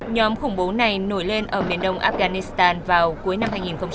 nhóm khủng bố này nổi lên ở miền đông afghanistan vào cuối năm hai nghìn một mươi tám